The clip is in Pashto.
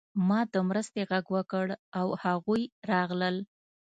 ما د مرستې غږ وکړ او هغوی راغلل